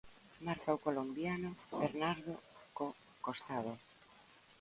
Marca o colombiano Bernardo co costado.